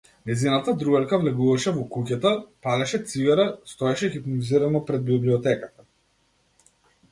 Нејзината другарка влегуваше во куќата, палеше цигара, стоеше хипнотизирано пред библиотеката.